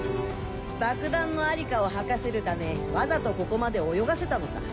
爆弾の在りかを吐かせるためわざとここまで泳がせたのさ。